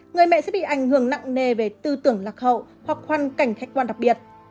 người mẹ sẽ bị ảnh hưởng nặng nề về tư tưởng lạc hậu hoặc khoan cảnh khách quan đặc biệt